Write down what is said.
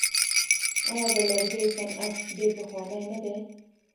آیا د لرګیو صنعت ډیر پخوانی نه دی؟